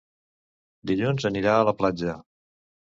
Dilluns anirà a la platja.